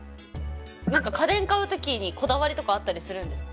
何か家電買うときにこだわりとかあったりするんですか？